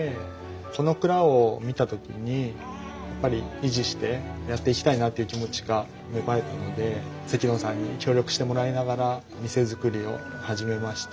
この蔵を見た時にやっぱり維持してやっていきたいなっていう気持ちが芽生えたので関野さんに協力してもらいながら店づくりを始めました。